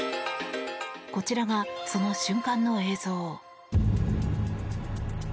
こちらがその瞬間の映像。